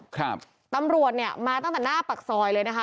ครับตำรวจเนี่ยมาตั้งแต่หน้าปากซอยเลยนะคะ